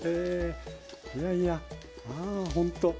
いやいやまあほんとね